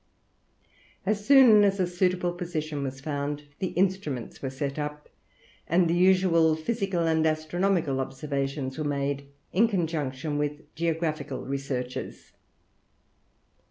As soon as a suitable position was found, the instruments were set up, and the usual physical and astronomical observations were made in conjunction with geographical researches.